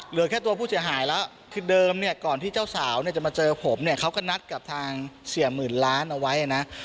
เหลือแค่ตัวผู้เสียหายแล้วคือเดิมเนี่ยก่อนที่เจ้าสาวเนี่ยจะมาเจอผมเนี่ยเขาก็นัดกับทางเสียหมื่นล้านเอาไว้นะ